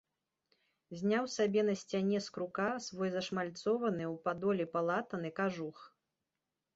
Зняў сабе на сцяне з крука свой зашмальцованы ў падоле палатаны кажух.